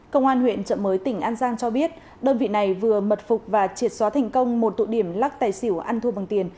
công an huyện trợ mới tỉnh an giang cho biết đơn vị này vừa mật phục và triệt xóa thành công một tụi điểm lắc tài xỉu ăn thua bằng tiền